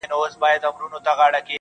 د سرو شرابو د خُمونو د غوغا لوري,